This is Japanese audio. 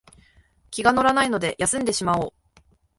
気が乗らないので休んでしまおう